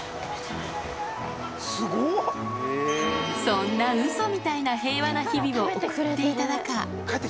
そんなうそみたいな平和な日々を送っていた中。